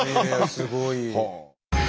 すごい。